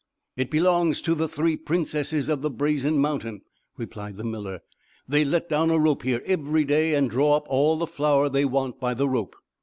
"It belongs to the three princesses of the Brazen Mountain," replied the miller. "They let down a rope here every day, and draw up all the flour they want by the rope."